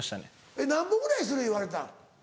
えっなんぼぐらいする言われたん？